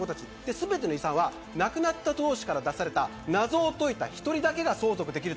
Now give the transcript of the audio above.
全ての遺産は亡くなった当主から出された謎を解いた１人だけが相続できる。